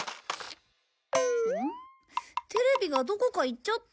テレビがどこかいっちゃった。